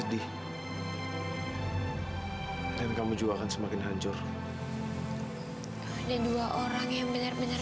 dulu livi sekarang mama